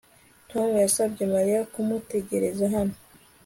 Tom yasabye Mariya kumutegereza hano